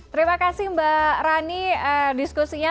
terima kasih mbak rani diskusinya